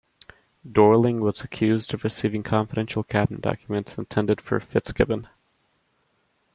Dorling was accused of receiving confidential cabinet documents intended for Fitzgibbon.